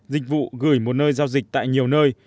dịch vụ gửi một nơi giao dịch tại nhiều nơi